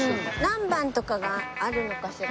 何番とかがあるのかしら？